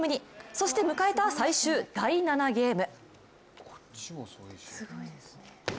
そして迎えた最終第７ゲーム。